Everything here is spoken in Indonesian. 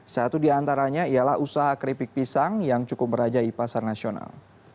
satu di antaranya ialah usaha keripik pisang yang cukup merajai pasar nasional